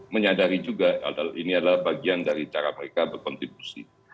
menyadari juga ini adalah bagian dari cara mereka berkontribusi